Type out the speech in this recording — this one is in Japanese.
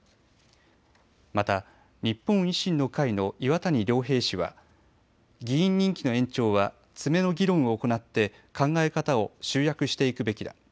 また日本維新の会の岩谷良平氏は議員任期の延長は詰めの議論を行って考え方を集約していくべきだ。